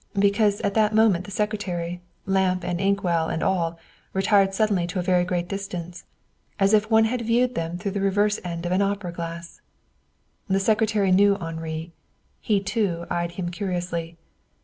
Because at that moment the secretary, lamp and inkwell and all, retired suddenly to a very great distance, as if one had viewed them through the reverse end of an opera glass. The secretary knew Henri. He, too, eyed him curiously.